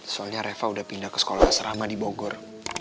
soalnya reva udah pindah ke sekolah asrama di bogor